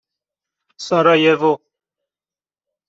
سارایوو